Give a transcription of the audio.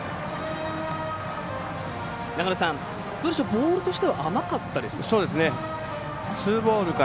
ボールとしては甘かったですか。